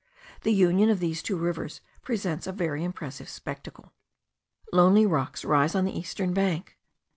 The union of these two rivers presents a very impressive spectacle. Lonely rocks rise on the eastern bank.